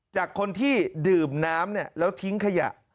จากคนที่ดื่มน้ำแล้วทิ้งขยะ